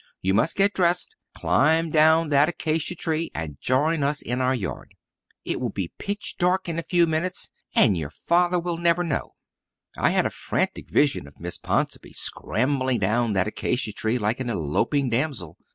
"You must get dressed, climb down that acacia tree, and join us in our yard. It will be pitch dark in a few minutes and your father will never know." I had a frantic vision of Miss Ponsonby scrambling down that acacia tree like an eloping damsel.